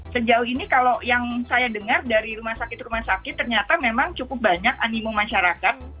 sejauh ini kalau yang saya dengar dari rumah sakit rumah sakit ternyata memang cukup banyak animo masyarakat